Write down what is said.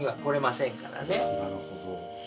なるほど。